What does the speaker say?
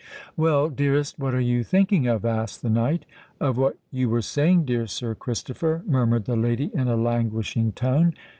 "Well, dearest, what are you thinking of?" asked the knight. "Of what you were saying, dear Sir Christopher," murmured the lady in a languishing tone.